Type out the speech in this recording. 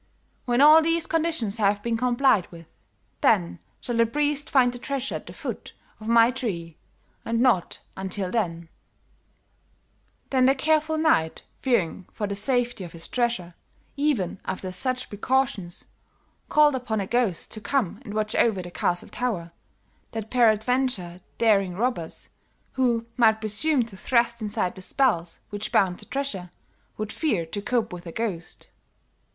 When all these conditions have been complied with, then shall the priest find the treasure at the foot of my tree, and not until then.' "Then the careful knight, fearing for the safety of his treasure, even after such precautions, called upon a ghost to come and watch over the castle tower, that peradventure, daring robbers who might presume to thrust aside the spells which bound the treasure, would fear to cope with a ghost."